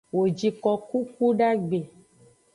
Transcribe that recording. Wo ji koku kudagbe.